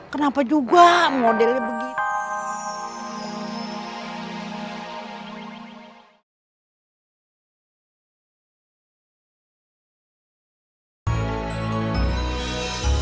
kenapa juga modelnya begitu